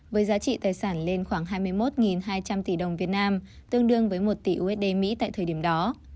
với giá trị tài sản lên khoảng hai mươi một hai trăm linh tỷ đồng việt nam tương đương với một tỷ usd tại thời điểm đó